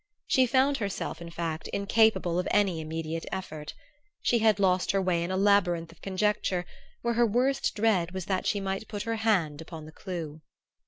She found herself, in fact, incapable of any immediate effort. She had lost her way in a labyrinth of conjecture where her worst dread was that she might put her hand upon the clue.